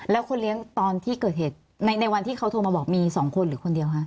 แล้วคนเลี้ยงตอนที่เกิดเหตุในวันที่เขาโทรมาบอกมี๒คนหรือคนเดียวคะ